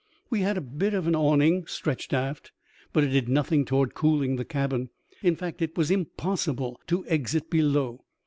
We had a bit of an awning stretched aft, but it did nothing toward cooling the cabin. In fact it was impossible to exist below.